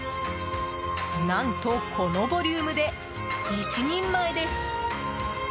何と、このボリュームで１人前です！